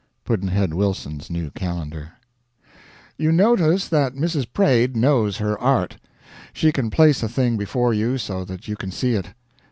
Pudd'nhead Wilson's New Calendar. You notice that Mrs. Praed knows her art. She can place a thing before you so that you can see it.